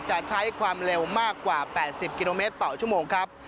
จะใช้ความเร็วมากกว่า๘๐กิโลเมตรต่อชั่วโมงครับ